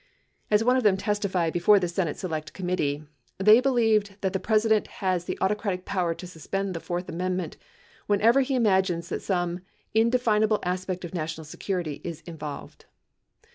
As one of them testified before the Senate Select Committee, they believed that the President has the autocratic power to suspend the fourth amendment whenever he imagines that some indefinable aspect of national security is involved.